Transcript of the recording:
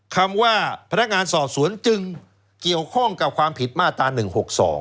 คำว่าพนักงานสอบสวนจึงเกี่ยวข้องกับความผิดมาตรา๑๖๒